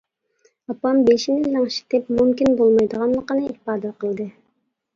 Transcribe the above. ئاپام بېشىنى لىڭشىتىپ، مۇمكىن بولمايدىغانلىقىنى ئىپادە قىلدى.